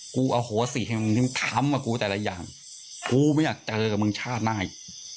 อโหสิให้มึงทำกับกูแต่ละอย่างกูไม่อยากเจอกับมึงชาติหน้าอีก